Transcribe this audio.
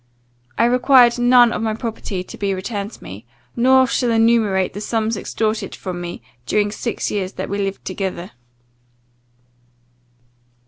I required none of my property to be returned to me, nor shall enumerate the sums extorted from me during six years that we lived together.